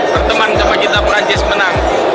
berteman sama kita perancis menang